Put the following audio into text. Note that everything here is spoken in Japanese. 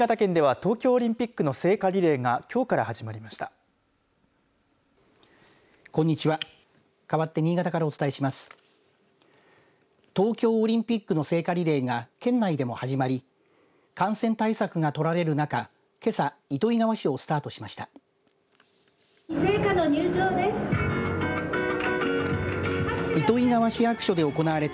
東京オリンピックの聖火リレーが県内でも始まり感染対策が取られる中けさ、糸魚川市をスタートしました。